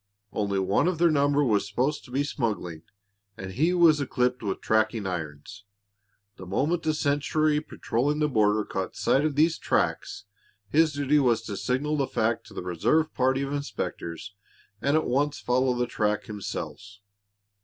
One only of their number was supposed to be smuggling, and he was equipped with tracking irons. The moment a sentry patrolling the border caught sight of these tracks, his duty was to signal the fact to the reserve party of inspectors and at once follow the track himself.